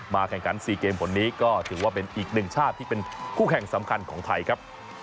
แข่งขัน๔เกมผลนี้ก็ถือว่าเป็นอีกหนึ่งชาติที่เป็นคู่แข่งสำคัญของไทยครับ